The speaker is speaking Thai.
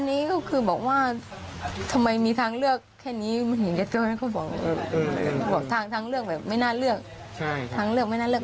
อันนี้ก็คือบอกว่าทำไมมีทางเลือกแค่นี้เห็นเจ้านั้นก็บอกทางเลือกไม่น่าเลือก